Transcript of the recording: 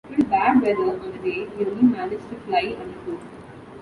Due to bad weather on the day he only managed to fly under two.